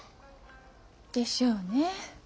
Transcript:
でしょうね。